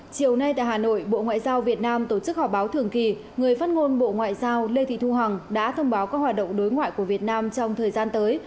chiều nay tại hà nội bộ ngoại giao việt nam tổ chức họp báo thường kỳ người phát ngôn bộ ngoại giao lê thị thu hằng đã thông báo các hoạt động đối ngoại của việt nam trong thời gian tới